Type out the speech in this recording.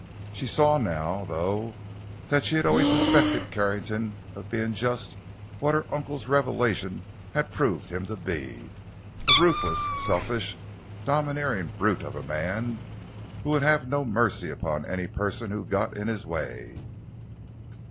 She saw now, though, that she had always suspected Carrington of being just what her uncle's revelation had proved him to be—a ruthless, selfish, domineering brute of a man, who would have no mercy upon any person who got in his way.